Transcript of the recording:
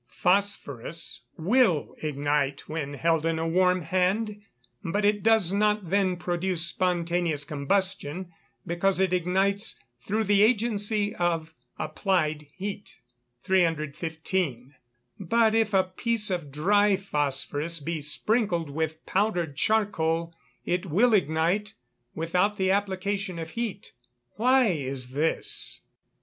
_ Phosphorous will ignite when held in a warm hand, but it does not then produce spontaneous combustion, because it ignites through the agency of applied heat. 315. _But if a piece of dry phosphorous be sprinkled with powdered charcoal it will ignite, without the application of heat. Why is this?